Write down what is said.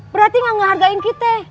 berarti gak ngehargain kita